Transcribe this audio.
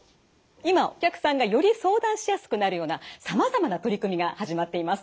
今お客さんがより相談しやすくなるようなさまざまな取り組みが始まっています。